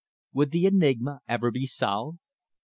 Would the enigma ever be solved?